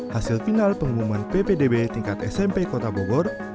hasil final pengumuman ppdb tingkat smp kota bogor